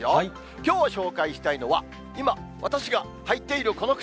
きょう紹介したいのは、今、私が履いているこの靴。